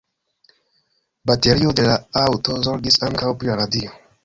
Baterio de la aŭto zorgis ankaŭ pri la radio.